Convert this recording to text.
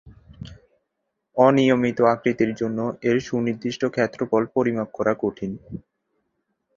অনিয়মিত আকৃতির জন্য এর সুনির্দিষ্ট ক্ষেত্রফল পরিমাপ করা কঠিন।